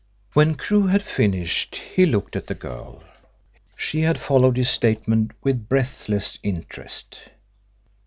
When Crewe had finished he looked at the girl. She had followed his statement with breathless interest.